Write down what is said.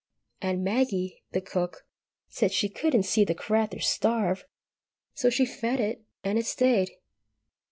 and Maggie, the cook, said she "couldn't see the crathur starve," so she fed it and it stayed.